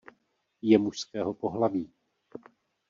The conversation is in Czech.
Je mužského pohlaví.